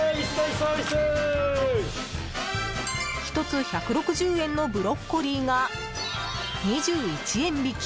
１つ１６０円のブロッコリーが２１円引き。